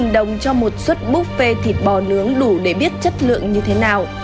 chín mươi chín đồng cho một suất buffet thịt bò nướng đủ để biết chất lượng như thế nào